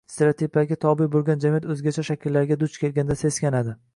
Stereotiplarga tobe bo‘lgan jamiyat o‘zgacha shakllarga duch kelganda seskanadi